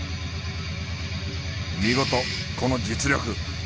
見事この実力。